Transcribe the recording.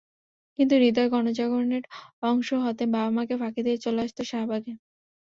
কিন্তু হৃদয় গণজাগরণের অংশ হতে বাবা-মাকে ফাঁকি দিয়ে চলে আসত শাহবাগে।